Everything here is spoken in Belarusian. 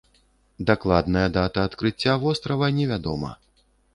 Дакладная дата адкрыцця вострава не вядома.